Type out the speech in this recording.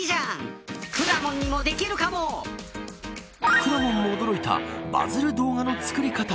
くらもんも驚いたバズる動画の作り方。